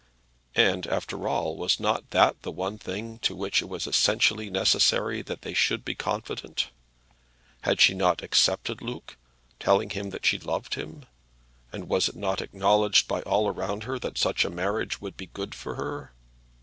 And after all, was not that the one thing as to which it was essentially necessary that they should be confident? Had she not accepted Luke, telling him that she loved him? and was it not acknowledged by all around her that such a marriage would be good for her?